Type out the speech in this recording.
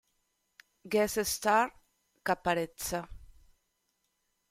Guest star: Caparezza.